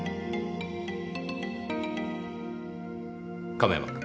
亀山君。